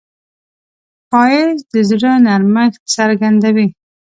ښایست د زړه نرمښت څرګندوي